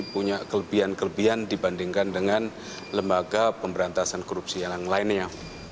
punya kelebihan kelebihan dibandingkan dengan lembaga pemberantasan korupsi yang lainnya